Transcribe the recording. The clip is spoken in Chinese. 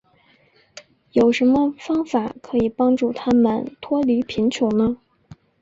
有什么方法可以帮助他们脱离贫穷呢。